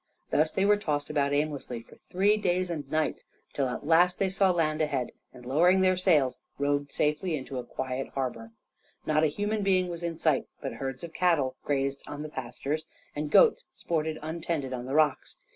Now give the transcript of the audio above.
Thus they were tossed about aimlessly for three days and nights, till at last they saw land ahead and, lowering their sails, rowed safely into a quiet harbor. Not a human being was in sight, but herds of cattle grazed on the pastures, and goats sported untended on the rocks.